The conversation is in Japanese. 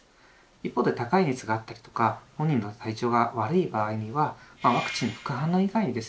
一方で高い熱があったりとか本人の体調が悪い場合にはワクチン副反応以外にですね